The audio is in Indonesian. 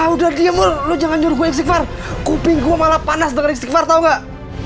udah dia mulut jangan nyuruh gue ikhbar kuping gua malah panas dengan istighfar tahu enggak